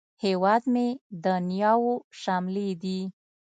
هیواد مې د نیاوو شملې دي